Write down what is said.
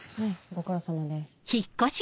ご苦労さまです。